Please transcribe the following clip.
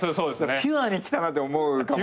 ピュアにきたなって思うかもね。